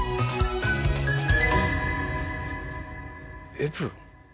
エプロン？